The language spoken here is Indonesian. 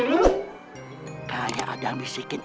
suruh ngodain preman itu